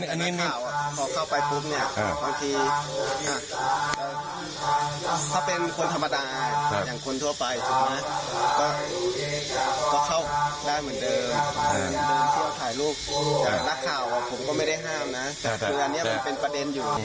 คืออันนี้มันเป็นประเด็นอยู่